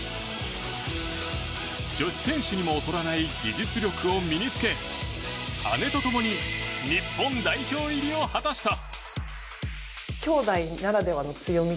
女子選手にも劣らない技術力を身に着け姉とともに日本代表入りを果たした。